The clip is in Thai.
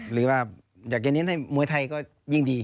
หรือว่าอยากจะเน้นให้มวยไทยก็ยิ่งดี